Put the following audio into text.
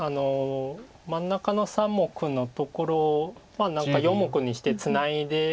真ん中の３目のところを何か４目にしてツナいで。